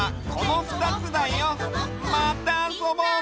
またあそぼうね！